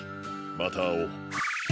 またあおう。